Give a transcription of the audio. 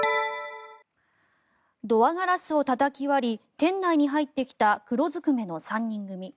ドアガラスをたたき割り店内に入ってきた黒ずくめの３人組。